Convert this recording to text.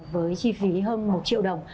với chi phí hơn một triệu đồng